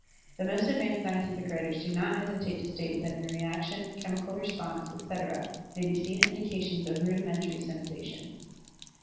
The most advanced scientific writers do not hesitate to state that in reaction, chemical response, etc., may be seen indications of rudimentary sensation.